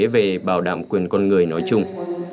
về bảo đảm quyền con người nói chung